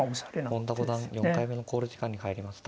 本田五段４回目の考慮時間に入りました。